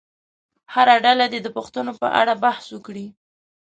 هره ډله دې د پوښتنو په اړه بحث وکړي.